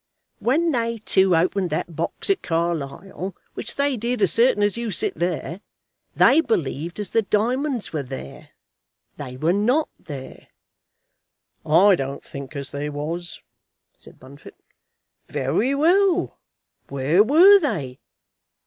When they two opened that box at Carlisle, which they did as certain as you sit there, they believed as the diamonds were there. They were not there." "I don't think as they was," said Bunfit. "Very well; where were they?